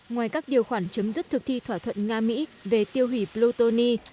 ngoài các điều khoản chấm dứt thực thi thỏa thuận nga mỹ về tiêu hủy plutoni